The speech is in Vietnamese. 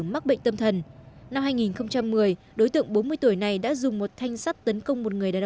mắc bệnh tâm thần năm hai nghìn một mươi đối tượng bốn mươi tuổi này đã dùng một thanh sắt tấn công một người đàn